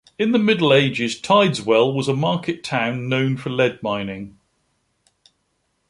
In the Middle Ages, Tideswell was a market town known for lead mining.